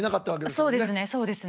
そうですねそうですね。